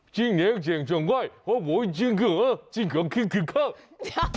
จิ๊งเน่นเจลไซม์ไว้วับวี้นจิ๊งเขาจิ๊งเสียงขึ้นข้าว